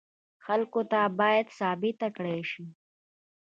خلکو ته باید ثابته کړای شي.